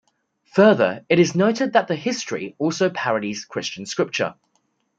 Further, it is noted that the "History" also parodies Christian scripture.